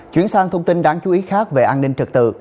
chuyển sang thông tin đáng chú ý khác về an ninh trật tự